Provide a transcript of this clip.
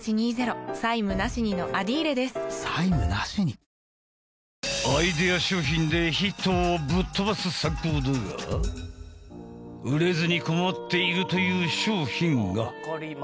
今回はどんな商品にアイデア商品でヒットをぶっ飛ばすサンコーだが売れずに困っているという商品が。